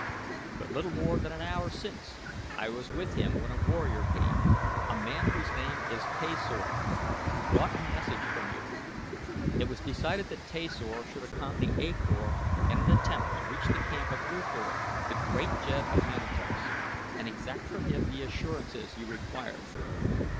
"But little more than an hour since. I was with him when a warrior came a man whose name is Tasor who brought a message from you. It was decided that Tasor should accompany A Kor in an attempt to reach the camp of U Thor, the great jed of Manatos, and exact from him the assurances you required.